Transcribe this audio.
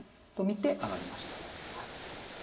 と見て上がりましたね。